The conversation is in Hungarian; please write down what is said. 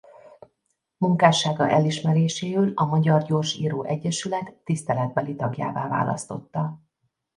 Munkássága elismeréséül a Magyar Gyorsíró Egyesület tiszteletbeli tagjává választotta.